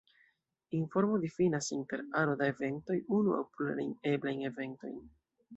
Informo difinas, inter aro da eventoj, unu aŭ plurajn eblajn eventojn.